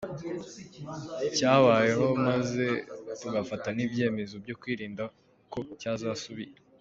cyabayeho, maze tugafata nibyemezo byo kwirinda ko cyazasubira.